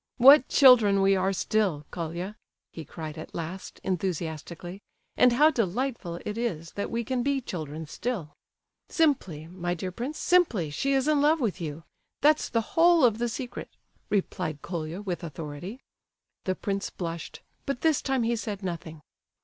"What children we are still, Colia!" he cried at last, enthusiastically,—"and how delightful it is that we can be children still!" "Simply—my dear prince,—simply she is in love with you,—that's the whole of the secret!" replied Colia, with authority. The prince blushed, but this time he said nothing.